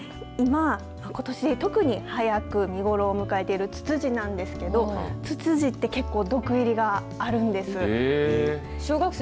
ことし特に早く見頃を迎えているつつじなんですけどつつじって結構、毒入りがあるんですよ。